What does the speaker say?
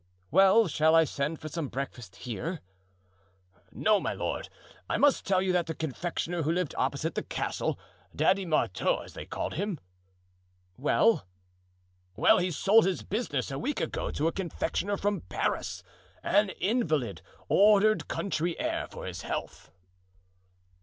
"Well, shall I send for some breakfast here?" "No, my lord; I must tell you that the confectioner who lived opposite the castle—Daddy Marteau, as they called him——" "Well?" "Well, he sold his business a week ago to a confectioner from Paris, an invalid, ordered country air for his health."